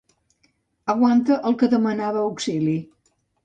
Aguanta el que demanava auxili.